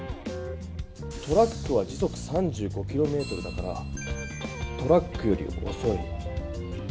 トラックは時速３５キロメートルだからトラックよりおそい。